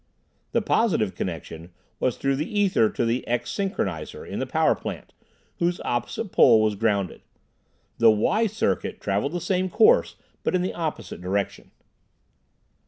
The positive connection was through the ether to the "X synchronizer" in the power plant, whose opposite pole was grounded. The "Y" circuit travelled the same course, but in the opposite direction.